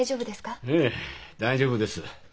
ええ大丈夫です。